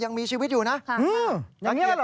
ยังมีชีวิตอยู่นะค่ะค่ะค่ะอย่างนี้หรือครับ